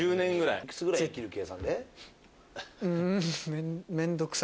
うん。